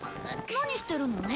何してるの？